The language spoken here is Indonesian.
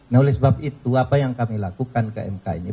nah oleh sebab itu apa yang kami lakukan ke mk ini